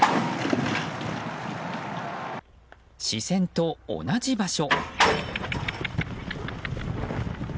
視線と同じ場所。